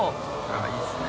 あっいいですね。